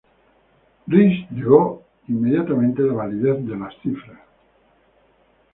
Riis negó inmediatamente la validez de las cifras.